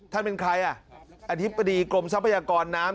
เป็นใครอ่ะอธิบดีกรมทรัพยากรน้ำ